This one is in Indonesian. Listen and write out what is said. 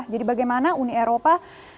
jadi bagaimana uni eropa